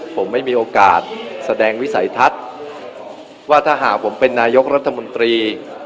ผมไม่มีโอกาสแสดงวิสัยทัศน์ว่าถ้าหากผมเป็นนายกรัฐมนตรี